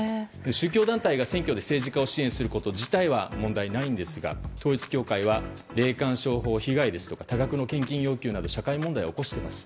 宗教団体が選挙で政治家を支援すること自体は問題ないんですが統一教会は霊感商法被害ですとか多額の献金要求など社会問題を起こしています。